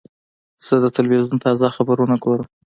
زه د تلویزیون تازه خبرونه ګورم.